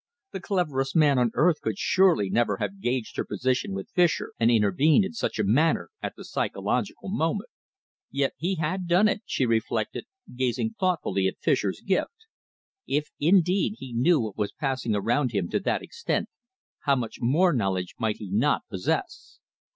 The cleverest man on earth could surely never have gauged her position with Fischer and intervened in such a manner at the psychological moment. Yet he had done it, she reflected, gazing thoughtfully at Fischer's gift. If, indeed, he knew what was passing around him to that extent, how much more knowledge might he not possess?